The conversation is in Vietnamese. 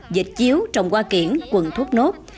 dệt chiếu trồng hoa kiển quận thuốc nốt